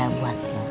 ada buat lo